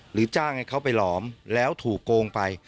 จ้างให้เขาไปหลอมแล้วถูกโกงไป